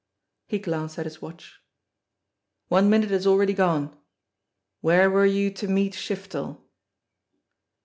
He glanced at his watch. "One minute has already gone. Where were you to meet Shiftel?"